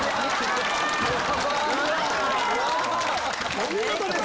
お見事です！